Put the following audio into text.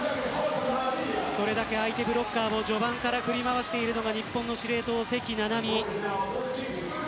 それだけ相手ブロッカーを序盤から振り回しているのが日本の司令塔、関菜々巳。